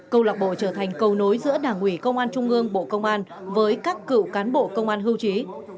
câu lạc bộ trở thành cầu nối giữa đảng ủy công an trung ương bộ công an với các cựu cán bộ công an hưu trí